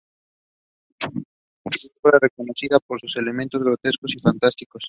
Su obra es reconocida por sus "elementos grotescos y fantásticos".